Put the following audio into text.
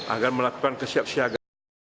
agar melakukan kesiap siagaan